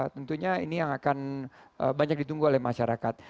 tentunya ini yang akan banyak ditunggu oleh masyarakat